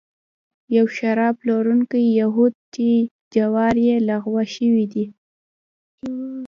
یو شراب پلورونکی یهود چې جواز یې لغوه شوی دی.